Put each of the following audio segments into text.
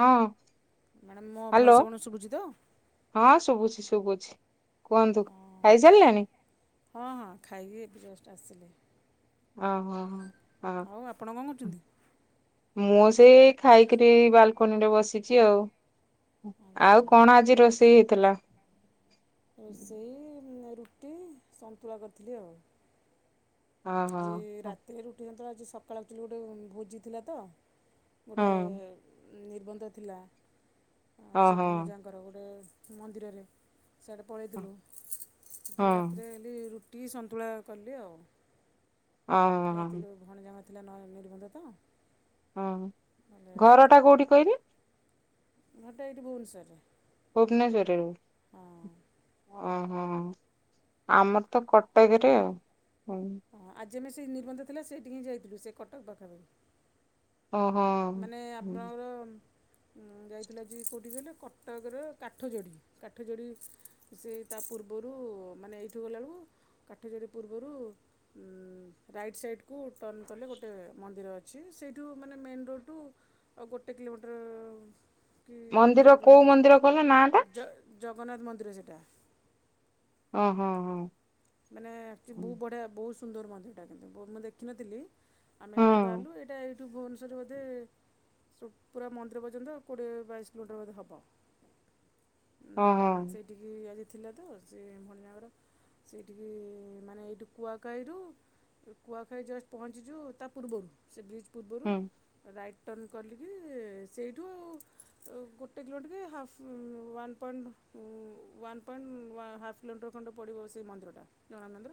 ହଁ। ମ୍ୟାଡ଼ାମ ମୋ hello voice ଆପଣଙ୍କୁ ଶୁଭୁଛି ତ? ସୁବୁଛି କୁହନ୍ତୁ ଖାଇସାରିଲେଣି? ଆସିଲେ। ଓ ହୋ ହୋ ହଁ କ'ଣ କରୁଛନ୍ତି ମୁଁ ଏବେ ଖାଇକିରି ବାଲକୋନି ରେ ବସିଛି ଆଉ। ଆଚ୍ଛା ଆଉ କଣ ଆଜି ରୋଷେଇ ହେଇଥିଲା? ସେଇ ରୁଟି ସନ୍ତୁଳା କରିଥିଲି ଆଉ। ଓହୋ ଆଜି ହଁ ରାତିରେ ରୁଟି ସନ୍ତୁଳା ଆ ସକାଳ ଆକ୍ଟୁଆଲି ଗୋଟେ ଭୋଜି ଥିଲା ତ। ଗୋଟେ ନିର୍ବନ୍ଧ ଥିଲା। ଆ ସେ ଓହୋ ଭଣଜାଙ୍କର ଗୋଟେ ମନ୍ଦିରରେ। ସେଇଆଡ଼େ ହଁ ପଳେଇଥିଲୁ। ତ ରାତିରେ ହେଲି ରୁଟି ସନ୍ତୁଳା କଲି ଆଉ। ଓହୋ ଯାଇଥିଲୁ ଭଣଜା ଙ୍କର ଥିଲା ନିର୍ବନ୍ଧ ତ। ହଁ ଭଲ ଘର ଟା କୋଉଠି କହିଲି ଘର ଟା ଏଇଠି ଭୁବନେଶ୍ୱର ରେ। [unintelligible] ଅ। ହଁ ଆମର ତ କଟକରେ ଆଉ। ହୁଁ। ଯେବେ ସେଇ ନିର୍ବନ୍ଧ ଥିଲା ସେଇଠି ହିଁ ଯାଇଥିଲୁ। ସେ କଟକ ପାଖାପାଖି। ଓ ହୋ ହୁଁ। ଯାଇଥିଲା ଯେ କଉଠି କହିଲ କଟକର କାଠ ଯୋଡ଼ି। କାଠ ଯୋଡ଼ି ସେ ତା ପୂର୍ବରୁ ମାନେ ଏଇଠୁ ଗଲା ବେଳକୁ କାଠଯୋଡି ପୂର୍ବରୁ ରାଇଟ ସାଇଡ୍ କୁ ଟର୍ନ କଲେ ଗୋଟେ ମନ୍ଦିର ଅଛି। ସେଇଠୁ ମାନେ ମେନ ରୋଡ ଠୁ ଆଉ ଗୋଟେ କିଲୋମିଟର କି ଦେଢ଼ ମନ୍ଦିର କୋଉ କିଲୋମିଟର ମନ୍ଦିର କଲେ ନାଁ ଟା? ଜଗନ୍ନାଥ ମନ୍ଦିର ସେଇଟା। ଅ ହ ହଁ। ମାନେ [unintelligible] ବହୁତ ବଢ଼ିଆ ବହୁତ ସୁନ୍ଦର ମନ୍ଦିରଟା କିନ୍ତୁ ମୁଁ ଦେଖିନଥିଲି ଆମେ ଏଇଠୁ ହଁ ବାହାରିଲୁ ଏଇଟା ଏଇଠୁ ଭୁବନେଶ୍ୱରରୁ ବୋଧେ ପୁରା ମନ୍ଦିର ପର୍ଯ୍ୟନ୍ତ କୋଡ଼ିଏ ବାଇଶ କିଲୋମିଟର ବୋଧେ ହବ। ଓହୋ ଉଁ ସେଇଠିକି ଆଜି ଥିଲା ତ ସେଇ ଭଣଜାଙ୍କର ସେଇଠିକି ମାନେ ଏଇଠୁ କୁଆକାଇରୁ କୁଆଖାଇ ଜଷ୍ଟ ପହଞ୍ଚିଛୁ ତା ପୂର୍ବରୁ ସେ ବ୍ରିଜ୍ ପୂର୍ବରୁ ହୁଁ ରାଇଟ ଟର୍ଣ କଲିକି ସେଇଠୁ ଗୋଟେ କିଲୋମିଟର କି half one point um one point half kilometre ଖଣ୍ଡେ ପଡିବ ସେ ସେ ମନ୍ଦିରଟା ଜଗନ୍ନାଥ ମନ୍ଦିର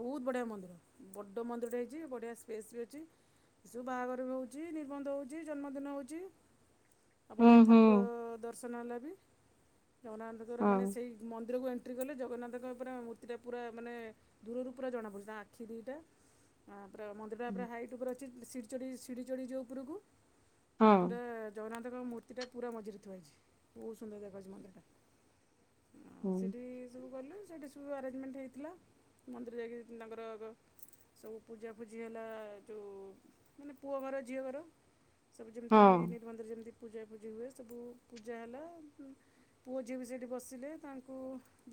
ବହୁତ ବଢ଼ିଆ ମନ୍ଦିର ବଡ଼ ମନ୍ଦିରଟା ହେଇଛି ବଢ଼ିଆ ସ୍ପେସ ବି ଅଛି। ଏସବୁ ବାହାଘର ହଉଛି ନିର୍ବନ୍ଧ ହଉଛି ଜନ୍ମଦିନ ହଉଛି। ଆଉ ହୁଁ ବଢ଼ିଆ ହୁଁ ଠାକୁର ଦର୍ଶନ ହେଲା ବି। ଜଗନ୍ନାଥଙ୍କର ହଁ ମାନେ ସେଇ ମନ୍ଦିରକୁ ଏଣ୍ଟ୍ରି କଲେ ଜଗନ୍ନାଥଙ୍କ ପୁରା ପୁରା ମାନେ ଦୂରରୁ ପୁରା ଜଣା ପଡୁଛି ତାଙ୍କ ଆଖି ଦିଟା ପୁରା ମନ୍ଦିରଟା ପୁରା ହାଇଟ୍ ପୁରା ସିଡ଼ି ଚଢ଼ି ସିଡ଼ି ଚଢ଼ି ଯିବ ଉପରକୁ ହଁ ପୁରା ଜଗନ୍ନାଥ ତା ମୂର୍ତ୍ତିଟା ପୁରା ମଝିରେ ଥୁଆ ହେଇଚି। ବହୁତ ସୁନ୍ଦର ଦେଖାଯାଉଚି ମନ୍ଦିରଟା। ହୁଁ ସେଠି ସବୁ ଗଲୁ ସେଠି ଟ୍ରିଟମେଣ୍ଟ ହେଇଥିଲା ମନ୍ଦିର ଯାଇକି ତାଙ୍କର ସବୁ ପୂଜା ପୁଜି ହେଲା ଯୋଉ ମାନେ ପୁଅ ଘର ଝିଅ ଘର। ସବୁ ଯେମିତି ହଁ ନିର୍ବନ୍ଧ ରେ ଯେମିତି ପୂଜା ପୁଜି ହୁଏ ସବୁ ପୂଜା ହେଲା ପୁଅ ଝିଅ ବି ସେଇଠି ବସିଲେ ତାଙ୍କୁ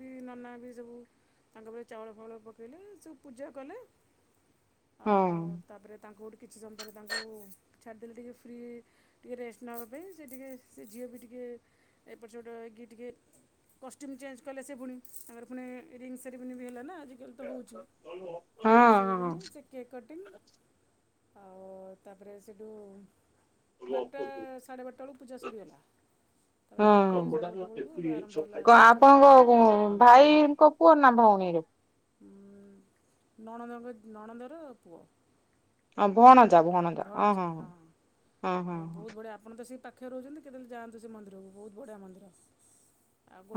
ବି ନନା ବି ସବୁ ତାଙ୍କ ଉପରେ ଚାଉଳ ଫାଉଳ ପକେଇଲେ ସବୁ ପୂଜା କଲେ। ହଁ। ଆଉ ତାପରେ ତାଙ୍କୁ ଗୋଟେ କିଛି ସମୟ ପରେ ତାଙ୍କୁ ଛାଡ଼ିଦେଲେ ଟିକେ ଫ୍ରି ଟିକେ ରେଷ୍ଟ ନେବା ପାଇଁ ସେ ଟିକେ ସେ ଝିଅ ବି ଟିକେ ଏପଟ ସେପଟ ହେଇକି ଟିକେ କଷ୍ଟ୍ୟୁମ୍ ଚେଞ୍ଜ କଲେ ସେ ପୁଣି ତାଙ୍କର ପୁଣି ରିଙ୍ଗ ସେରିମନି ବି ହେଲା ନା। ଇଂତ ତ ହଉଛି। ରିଙ୍ଗ ହଁ ସେରୀମୋନି ସେ କେକ୍ କଟିଙ୍ଗ। ଆଉ ତାପରେ ସେଠୁ। ବାରଟା ସାଢ଼େ ବାରଟା ବେଳକୁ ପୂଜା ସରିଗଲା। ତାପରେ ଗୋଟେ ହୁଁ ସାଢ଼େ ଗୋଟେ ବେଳକୁ ଏଠୁ ଆରମ୍ଭ ହେଲା କଣ ସେ କେକ୍ ଆପଣଙ୍କ ଭାଇଙ୍କ ପୁଅ ନା। ଭଉଣୀ ର। ନଣଦଙ୍କ ନଣନ୍ଦର ପୁଅ। ହଁ ଭଣ - ଭଣଜାହଁ। ହଁ ଆଉ ହଁ ବହୁତ ବଢିଆ ଆପଣ ତ ସେଇ ପାଖ- ପାଖରେ ରହୁଛନ୍ତି କେତେବେଳେ ଯାଆନ୍ତୁ ସେ ମନ୍ଦିରକୁ। ବହୁତ ବଢ଼ିଆ ମନ୍ଦିର।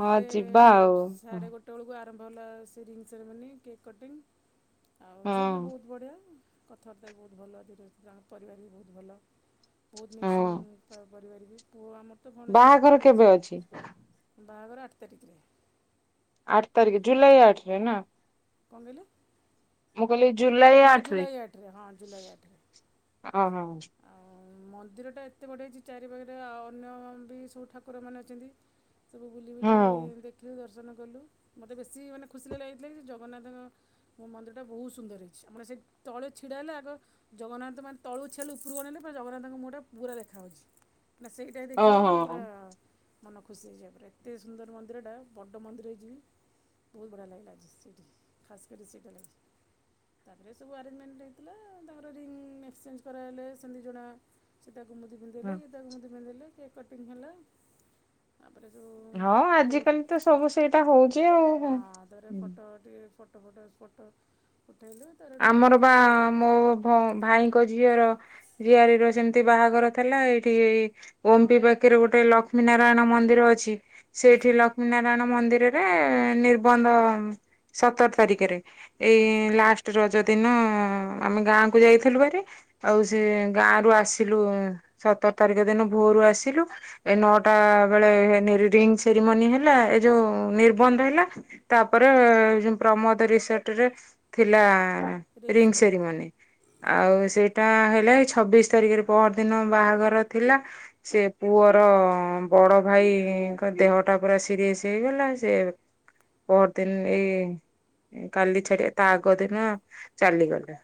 ହଁ ଯିବା ଆଉ। ସାଢେ ଗୋଟେ ବେଳକୁ ଆ। ଆରମ୍ଭ ହେଲା ସେ ରିଙ୍ଗ ସେରିି କେକ୍ କଟିଙ୍ଗ ଆଉ ଝିଅ ବି ହଁ ବହୁତ ବଢିଆ। କଥାବାର୍ତ୍ତା ବି ବହୁତ ଭଲ ଦିନ ପରିବାର ବି ବହୁତ ଭଲ। ବହୁତ ମିକ୍ସିଂ ହଁ ତାଙ୍କ ପରିବାର ବି। ପୁଅ ଆମର ତ ଭଣଜା ସେ ବି ବାହାଘର କେବେ ବହୁତ ଅଛି? ବାହାଘର ଆଠ ତାରିଖରେ। ଆଠ ତାରିଖେ ଜୁଲାଇ ଆଠ ତାରିଖରେ ନା। କଣ କହିଲେ? ମୁ କହିଲି। ଜୁଲାଇ ହଁ ଆଠରେ ଜୁଲାଇ ଆଠରେ ହଁ ଜୁଲାଇ ଆଠରେ। ହଁ ହଁ। ଆଉ ମନ୍ଦିରଟା ଏତେ ବଢ଼ିଯାଇଛି ଚାରିପାଖରେ ଆଉ ଅନ୍ୟ ବି ସବୁ ଠାକୁରମାନେ ଅଛନ୍ତି। ସବୁ ବୁଲି ହଁ। ବୁଲି ଦେଖିଲୁ ଦର୍ଶନ- ଗଲୁ ମୋତେ ବେଶୀ ମାନେ ଖୁସି ଲାଗ ଲାଗିଥିଲା କି ଯେ ଜଗନ୍ନାଥଙ୍କ ମୋ ମନ୍ଦିରଟା ବହୁତ ସୁନ୍ଦର ହେଇଛି ଆମର ସେ- ତଳୁ ଛିଡା ହେଲେ ଆଗ ଜଗନ୍ନାଥ ମାନେ ତଳୁ- ଛେଲ ଉପରକୁ ଅନେଇଲେ ପୁରା ଜଗନ୍ନାଥଙ୍କ ମୁହଁଟା ପୁରା ଦେଖାହେଉଛି। ନା ସେଇଟା ଦେଖିଲି ଓହୋ ବି ହଁ ହଁ ପୁରା- ମନ ଖୁସି ହେଇଯିବା ପରେ ଏତେ ସୁନ୍ଦର ମନ୍ଦିରଟା ବଡ଼ ମନ୍ଦିର ହେଇଯିବ। ବହୁତ ବଢିଆ ଲାଗିଲା [unintelligible] ଖାସ କରି ସେଇଟା। ତାପରେ ସବୁ ଆରେଞ୍ଜମେଣ୍ଟ ହେଇଥିଲ। ତାପରେ ରିଙ୍ଗ ମେସେଜ - କରାଇଲେ ସେମିତି ଜଣା। ସେ ତାକୁ ମୁଦି ପିନ୍ଧେଇଲେ ସେ ତାକୁ ମୁଦି ପିନ୍ଧିଇଲେ କି- ସଟିଙ୍ଗ କଲା। ହଁ ଆଜିକାଲି ତ ସବୁ ସେଇଟା ହଉଛି ଆଉ। ହଁ ତାପରେ ଟିକେ ଫଟୋ ଫଟୋ ଫଟୋ। ଉଠେଇଲୁ ତାର ହେଠୁ ଆମର ପା ଖାଇବା ମୋ ଭାଇଙ୍କ ଝିଅର। ଝୀଆରୀର ସେମିତି ବାହାଘର ଥିଲା ଏଇଠି ଓମ୍ପି ପାଖରେ ଗୋଟେ ଲକ୍ଷ୍ମୀ ନାରାୟଣ ମନ୍ଦି- ମନ୍ଦିର ଅଛି। ସେଇଠି ଆଚ୍ଛା ଲକ୍ଷ୍ମୀ ନାରାୟଣ ମନ୍ଦିରରେ ନିର୍ବନ୍ଧ ସତର ତାରିଖରେ। ଏଇ ଆଚ୍ଛା ଲାଷ୍ଟ- ରଜ ଦିନ ଆମେ ଗାଁକୁ ଯାଇଥିଲୁ ହେରି ଆଉ ହଁ ସେ ଗାଁରୁ ଆସି- ଥିଲୁ ସତର ତାରିଖ ଦିନ ଭୋରୁ ଆସିଲୁ ଏ ନଅଟା ବେଳେ ରିଙ୍ଗ ସେରିମୋନୀ- ମୋନୀ ହେଲା। ଏ ଯୋଉ ନିର୍ବନ୍ଧ ହେଲା। ତାପରେ ପ୍ରମୋଦ ରିସଟ୍ ରେ - ହେଲା ହଁ ରିଙ୍ଗ୍ ରିଙ୍ଗ ସେରେମନି ସେରିମୋନି। ଆଉ ସେଇଟା ହେଲେ - ଛବିଶି ତାରିଖରେ ପହର ଦିନ ବାହାଘର ଥିଲା ସେ ପୁଅର ବଡ ଭାଇ- ଙ୍କ ଦେହଟା ପୁରା ସିରିଅସ ହେଇଗଲା ସେ- ପରଦିନ ଏଇ କାଲି ଛାଡି ତା ଆ- ଆଗ ଦିନ ଚାଲିଗଲେ।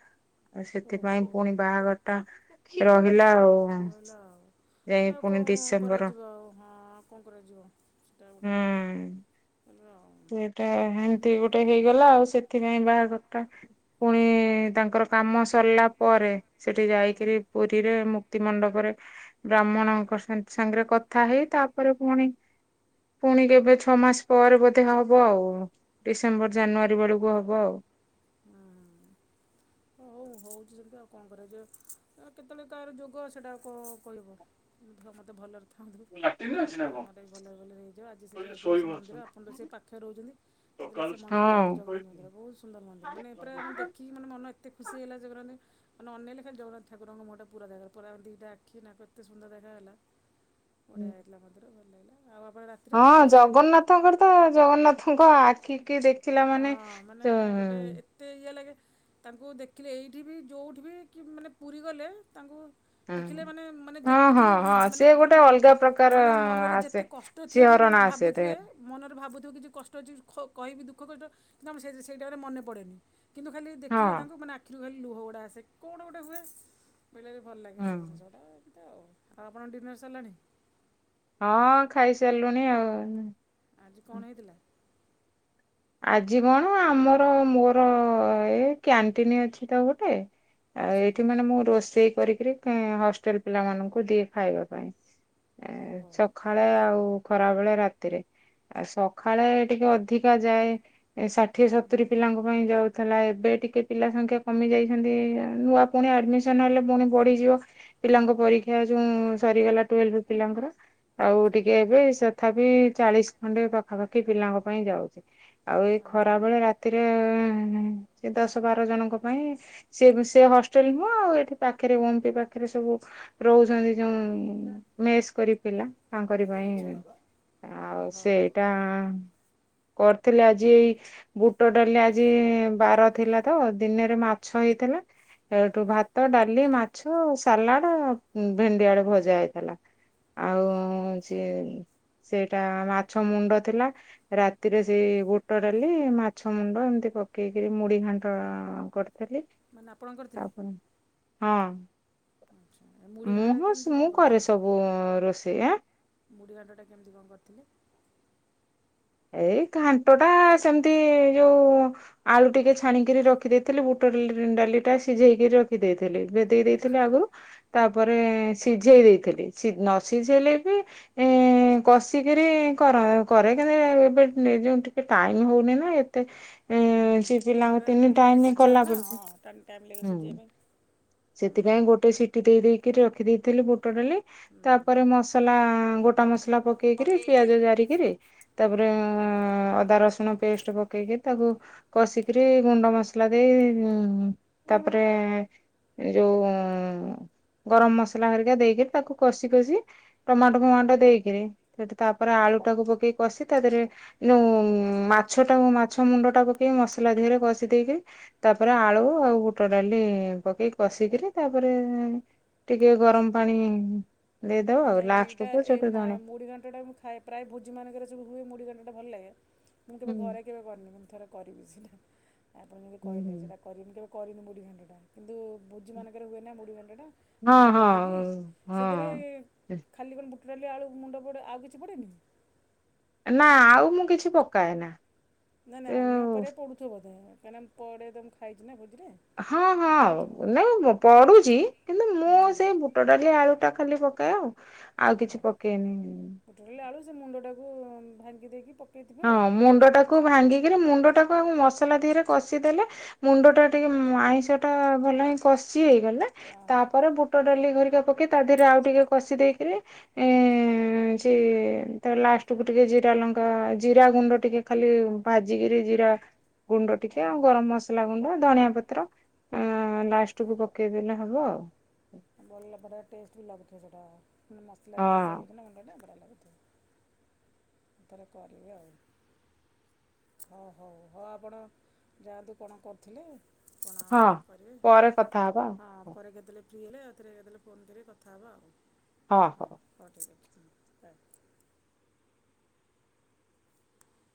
ଓହୋ ସେଥିପାଇଁ ପୁଣି ବାହାଘର- ତା ରହିଲା ଆଉ। ଭଲ। ଯାଇ ସେଇଟା ଆଉ ପୁଣି କଣ ଡିସେମ୍ବର କରାଯିବ ଆଉ ହଁ କଣ କରାଯିବ ସେଇଟା ଗୋଟେ ବି- ହେଲୋ। ସେଟା ହେନତି ଗୋଟେ ହେଇଗଲା ଆଉ ସେଥିପାଇଁ ବାହାଘରଟା ପୁଣି ତାଙ୍କର କାମ ସରିଲା ପରେ ସେଠି ହୁଁ ଯାଇକିରି ପୁରୀରେ ମୁ ତି ମଣ୍ଡପରେ ବ୍ରାହ୍ମଣଙ୍କ ସାନ୍ତ ସାଙ୍ଗରେ କଥା ହେଇ ତାପରେ ପୁଣି ପୁଣି କେବେ ଛଅ ମାସ ପରେ ବୋ ତେ ହବ ଆଉ ଡିସେମ୍ବର ଜାନୁଆରୀ ବେଳକୁ ହବ। [inaudible] କହୁଚି ସେମିତି ଆଉ କଣ କରେ ଯେ। ଏଁ, କେତେଳେ କାହାର ଯୋଗ ସେଟା କ- କହିବ [unintelligible] ମୋତେ ଭଲରେ କୁହନ୍ତୁ କାମଟା ବି ଭଲରେ ଭଲରେ ହେଇଯିବ। ଆଜି ସେ ଯାଇଥିବେ ସେ ମନ୍ଦିର ଆପଣ ତ ସେ ପାଖରେ ରହୁଛନ୍ତି। କେତେଳେ ସେ ମନ୍ଦିର ଯାଆନ୍ତି ହଁ ଜଗନ୍ନାଥ ମନ୍ଦିର ବହୁତ ସୁନ୍ଦର ମନ୍ଦିର। ମାନେ ପୁରା ମାନେ ଦେଖିକି ମାନେ ମନ ଏତେ ଖୁସି ହେଇଗଲା ଜଗନ୍ନାଥ। ମାନେ ଅନେଇଲେ ଖାଲି ଜଗନ୍ନାଥ ଠାକୁରଙ୍କ ମୁହଁ ପୁରା ଦେଖା, ପୁରା ଦିଟା ଆଖି ନାକ ଏତ ସୁନ୍ଦର ଦେଖା ଥିଲା ଗୋଟେ ହେଇଥିଲା ମନ୍ଦିର [inaudible] ଆଉ ଆପଣ ରାତିରେ ହଁ ଖାଇସାରିଲେଣି ଜଗନ୍ନାଥଙ୍କର ତ ଜଗନ୍ନାଥଙ୍କ ଆ କି ଦେଖଲା ହଁ ମାନେ ମାନେ ତ ଗୋଟେ ଏତେ ଇଏ ଲାଗେ ତାଙ୍କୁ ଦେଖିଲେ ଏଇଠି ବି ଯୋଉଠି ବି କି ମାନେ ପୁରୀ ଗଲେ ତାଙ୍କୁ ଦେଖିଲେ ମାନେ ମାନେ ଯେତେ ହଁ ବି ହଁ ମାନେ ସିଏ ଆପଣ ଗୋଟେ ମନ୍ ଅଲଗା ପ୍ରକାର ମାନେ ମନରେ ଆସେ ଯେତେ କଷ୍ଟ ଥିବ ବି କି ସିହରଣ ମାନେ ଆସେ ଭାବୁଥୁବେ, ଦେହରେ ମନରେ ଭାବୁଥୁବ କିଛି କଷ୍ଟ ଅଛି ଖ କହିବି ଦୁ ଦୁଃଖ କଷ୍ଟ କିନ୍ତୁ ଆମର ସେ ସେଇ ଜାଗାରେ ମନେ ପଡେନି। କିନ୍ତୁ ଖାଲି ହଁ ଦେଖିଲେ ତାଙ୍କୁ ମାନେ ଆଖିରୁ ଖାଲି ଲୁହଗୁଡ଼ା ଆସେ କଣ ଗୋଟେ ହୁଏ। ବୋଇଲେ ବି ଭଲ ଲାଗେ ହଁ ସେ ଜିନିଷଟା। ଆଉ, ଆଉ ଆପଣଙ୍କ ଡିନର୍ ସରିଲାଣି? ହଁ ଖାଇସାରିଲୁଣି ଆଉ। ଆଜି କଣ ହେଇଥିଲା? ଆଜି କଣ ଆମର ମୋର ଏ କ୍ୟାଣ୍ଟିନ୍ ଅଛି ତ ଗୋଟେ। ଆଉ ଆଚ୍ଛା ଏଇଠି ମାନେ ମୁଁ ରୋଷେଇ କରିକିରି କେଁ ହଷ୍ଟେଲ୍ ପିଲାମାନଙ୍କୁ ଦିଏ ଖାଇବା ପାଇଁ। ଏ ଓହୋ ସଖାଳେ ଆଉ ଖରାବେେଳେ, ରାତିରେ। ଆଉ ସଖାଳେ ଟିକେ ଅଧିକା ଯାଏ। ଏ ଷାଠିଏ ହୁଁ ସତୁରି ହୁଁ ପିଲାଙ୍କ ପାଇଁ ଯାଉ ଥିଲା ଏବେ ଟିକେ ପିଲା ସଂଖ୍ୟା କମି ଯାଇଛନ୍ତି। ନୂଆ ପୁଣି ଆଡମିସନ୍ ହେଲେ ପୁଣି ବଢିଯିବ। ହଁ ପିଲାଙ୍କ ହଁ ପରୀକ୍ଷା ଯୋଉଁ ସରିଗଲା ଟୁଏଲଭ୍ ପିଲାଙ୍କର। ଆଉ ଆଚ୍ଛା ଟିକେ ଏବେ ସଥାପ ବି ଚାଳିଶ ଖଣ୍ଡେ ପାଖାପାଖି ପିଲାଙ୍କ ପାଇଁ ଯାଉଚି। ଆଉ ଏଇ ଓହୋ ଖରା ବେଳେ ରାତିରେ ସେ ଦଶ ବାର ଜଣଙ୍କ ପାଇଁ ସେ ସେ ହଷ୍ଟେଲ ନୁହଁ। ଏଠି ପାଖରେ ଓମପି ପାଖରେ ସବୁ ରହୁଛନ୍ତି ଯୋଉଁ ମେସ୍ କରି ପିଲା। ତାଙ୍କରିପାଇଁ। ଆଉ ଓହୋ ସେଇଟା କରିଥିଲେି ଆଜି ଏଇ ବୁଟ ଡାଲି ଆଜି ବାର ଥିଲା ତ ଦିନରେ ମାଛ ହେଇଥିଲା। ଏଇଠୁ ଭାତ, ଡାଲି, ମାଛ, ସାଲାଡ୍ ଉଁ, ଭେଣ୍ଡି ଆଳୁ ଭଜା ହେଇଥିଲା। ଆଉ ସିଏ ସେଇଟା ମାଛ ମୁଣ୍ଡ ଥିଲା ରା ତିରେ ସେ ବୁଟ ଡାଲି ମାଛ ମୁଣ୍ଡ ଏମିତି ପକେଇକିରି ମୁଢି ଘାଣ୍ଟ କରି ଥିଲି, ମାନେ ଆପଣ କରିଥିଲେ ତାପରେ ହଁ ଆଚ୍ଛା ଏ ମୁଢ଼ି ମୁଁ ଘାଣ୍ଟଟା ହଁ କେମିତି କ'ଣ ମୁଁ କରେ ସବୁ ରୋଷେଇ। ଏଁ, ମୁଢି ଘାଣ୍ଟ ଟା କେମିତି କଣ କରିଥିଲେ? ଏଇ ଘାଣ୍ଟ ଟା ସେମିତି ଯୋଉ ଆଳୁ ଟିକେ ଛାଣିକିରି ରଖିଦେଇଥିଲି। ବୁଟ ଡାଲି ଟା ସିଝେଇକି ରଖିଦେଇଥିଲି। ଦେ ଦେଇ ଦେଇଥିଲେ। ଆଚ୍ଛା ଆଗକୁ ତାପରେ ସିଝେଇ ଦେଇ ଥିଲି, ସି ନ ସିଝେଇଲେ ବି ଇଁ, କଷିକିରି କରା, କରେ। ଏ ଏବେ ନିଜକୁ ଟିକେ ଟାଇମ୍ ହଉନି ନା ଏ ତେ ହୁଁ ହୁଁ ଏ, ସେ ହୁଁ ପିଲାଙ୍କୁ କାରଣ ତିନି ବୁଟଟା ଟିକେ ଟାଇମ୍ ସିଝିବନି କଲା ନା ବେଳକୁ, ହଁ ଟାଇମ୍ ଟାଇମ୍ ଲାଗିବ ସିଝିବା ହୁଁ। ପାଇଁ ହୁଁ ସେଥିପାଇଁ ଗୋଟେ ସିଟି ଦେଇ ଦେଇ କି ରଖି ଦେଇଥିଲି ବୁଟ ଡାଲି ହୁଁ ହୁଁ ତାପରେ ମସଲା ଗୋଟା ମସ ଲା ପକେଇକିରି ପିଆଜ ଜାରିକିରି ତାପରେ ଓହୋ ଅଁ, ଅ ଅଦା ରସୁଣ ପେଷ୍ଟ ପକେଇକି ତାକୁ କଷିକିରି ଗୁଣ୍ଡ ମସଲା ଦେଇ ଉଁ ତାପ ରେ ଯୋଉଁ। ଗରମ ମସଲା ଘରିକା ଦେଇକିରି ତାକୁ କଷି କଷି ଟମାଟୋ ଫମାଟୋ ଦେଇକିରି [unintelligible] ତାପରେ ଆ ଲୁ ଟାକୁ ପକେଇ କଷି ତା ଦେହରେ ଯୋଉଁ ମାଛ ଟା କୁ ମାଛ ମୁଣ୍ଡ ଟା ପକେଇ ମସଲା ଦେହରେ କଷି ଦେଇକି। ତାପରେ ଆଳୁ ଆଉ ବୁଟ ଡାଲି ପକେଇ କଷିକିରି ତାପରେ। ଟିକେ ଗରମ ପାଣି। ଦେଇଦବ ଆଉ ନାଇଁ ଏଇଟା ଲାଷ୍ଟକୁୁ ଏଇ ସେଠୁ ମା ଧଣିଆ ମୁଢି ଘାଣ୍ଟ ଟା ମୁଁ ଖାଏ ପ୍ରାୟ ଭୋଜି ମାନଙ୍କରେ ସବୁ। ମୁଁ ଏଇ ମୁଢି ଘାଣ୍ଟଟା ଭଲ ଲାଗେ ମୁଁ ହଁ କେବେ ଘରେ କେବେ କରିନି ମୁଁ ଥରେ କରିବି ସେଟା। ଆପଣ ଯଦି କହିଲେ ହଁ ସେଟା କରିନି କେବେ କରିନି ମୁଢି ଘାଣ୍ଟଟା କିନ୍ତୁ। ଭୋଜି ମାନଙ୍କରେ ହୁଏ ନା ମୁଢ଼ି ଘାଣ୍ଟ ଟା ମୁଣ୍ଡ ପକେଇକି ସେଥିରେ ହଁ ଖାଲି ଵୁଟ ଡାଲି ଆଳୁ ମୁଣ୍ଡ ଆଉ ପଡେ କିଛି ପଡ଼େନି। ନା ଆଉ ମୁଁ କିଛି ପକାଏନା। ନାଇଁ ନାଇଁ ଅନ୍ୟ ଉପରେ ପଡୁଥି ବୋଧେ କାହିଁ ନା ପଡେ ତ ମୁଁ ଖାଇଚି ନା ଭୋ ହଁ ହଁ ନାଇ ପ-ପଡୁଚି କିନ୍ତୁ ମୁଁ ହୁଁ ସେଇ ବୁଟ ଡାଲି ଆଳୁ। ଟା ଖାଲି ପକାଏ ଆଉ ଆଉ କିଛି ପକେଇନି। କୁ ଭାଙ୍ଗି ଦେଇକି ପ ହଁ ମୁଣ୍ଡ ଟାକୁ ଭାଙ୍ଗିକିରି ମୁଣ୍ଡ ଟା ଅଉଁ ମସଲା ଧିଅରେ କଷିଦେଲେ ମୁଣ୍ଡ ଟା ଟିକେ ମ ଆଇଁଷ ଟା ଭଲ ହିଁ କଷି ଗଲା ହଁ ତାପରେ ବୁଟ ଡାଲି ଘ ପକେଇ ତା ଦେହରେ ଆଉ ଟିକେ କଷି ଦେଇକିରି ଏଁ ସେ ତାର ଲାଷ୍ଟକୁ ଟିକେ ଜି ଜିରା ଲଙ୍କା ଜିରା ଗୁଣ୍ଡ ଟିକେ ଖାଲି ଭାଜିକରି ଜିରା। ଗୁଣ୍ଡ ଟିକେ ହଁ ହଁ ଆଉ ହଁ ଗରମ ମସଲା ଗୁଣ୍ଡ ଧଣିଆ ପ ତ୍ର ଉଁ ଲାଷ୍ଟ କୁ ପକେଇଦଲେ ହବ ଆଉ। ଭଲ ବଢିଆ ଟେଷ୍ଟ ବି ଲାଗୁଥିବ ସେଇଟା ମାନେ ମସଲାରେ କଷା ହଁ ହେଇଯଛି ମୁଣ୍ଡ ଟା ବଢ଼ି ଏଥର କରିବି ଆଉ। ହଉ ହଉ ହଉ ଆପଣ ଯାଆନ୍ତୁ କଣ କରୁଥିଲେ। କ'ଣ ହଁ କରିବେ ପରେ କଥା ହବା ହଁ ଆଉ। ପରେ କେତେବେଳେ ଫ୍ରି ହେଲେ ଆଉଥରେ ତାହେଲେ ଫୋନ୍ କରିବେ କଥା ହବା ଆଉ ହଁ ହଉ ଠିକ୍ ଅଛି। ବାଏ।